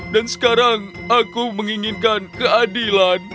dan sekarang aku menginginkan keadilan